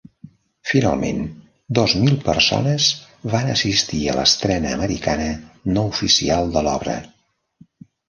Finalment, dos mil persones van assistir a l'estrena americana no oficial de l'obra.